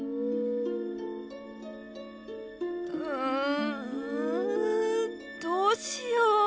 うんどうしよう。